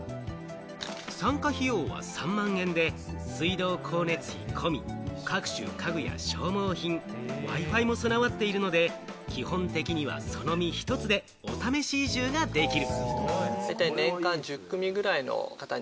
参加費用は３万円で水道・光熱費込み、各種家具や消耗品、Ｗｉ−Ｆｉも備わっているので、基本的にはその身１つでお試し移住ができる。